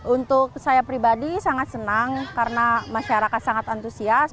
untuk saya pribadi sangat senang karena masyarakat sangat antusias